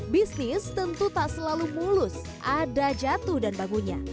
bisnis tentu tak selalu mulus ada jatuh dan bangunnya